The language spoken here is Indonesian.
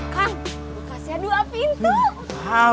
kang kulkasnya dua pintu